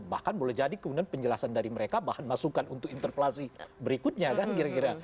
bahkan boleh jadi kemudian penjelasan dari mereka bahan masukan untuk interpelasi berikutnya kan kira kira